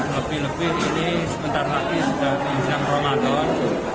lebih lebih ini sebentar lagi sudah diinjam ramadan